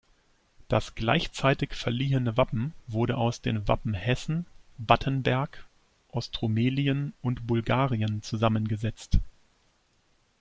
Das gleichzeitig verliehene Wappen wurde aus den Wappen Hessen, Battenberg, Ostrumelien und Bulgarien zusammengesetzt.